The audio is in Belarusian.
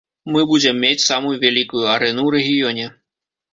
Мы будзем мець самую вялікую арэну ў рэгіёне.